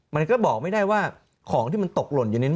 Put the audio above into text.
มันก็บอกไม่ได้ว่าของที่มันตกหล่นอยู่ในนั้น